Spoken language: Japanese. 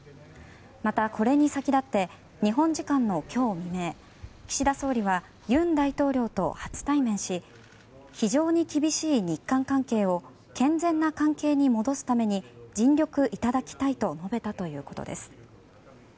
また、これに先立って日本時間の今日未明岸田総理は尹大統領と初対面し非常に厳しい日韓関係を健全な関係に戻すために尽力いただきたいと述べたということです。